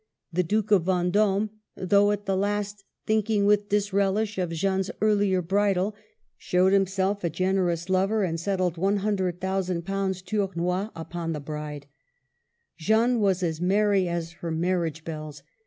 The Duke . of Vendome — though at the last think ing with disrehsh of Jeanne's earHer bridal — showed himself a generous lover, and settled ;^ioo, ooo Tournois upon the bride. Jeanne was as merry as her marriage bells.